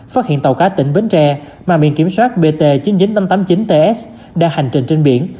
phát hiện tàu cá tỉnh bến tre mà miền kiểm soát bt chín mươi chín nghìn tám trăm tám mươi chín ts đang hành trình trên biển